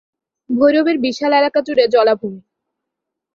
ভৈরবের বিশাল এলাকাজুড়ে জলাভূমি।